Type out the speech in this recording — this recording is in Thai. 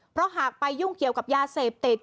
เพราะหากไปยุ่งเกี่ยวกับยาเสพติด